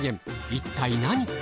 一体何？